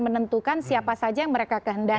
menentukan siapa saja yang mereka kehendaki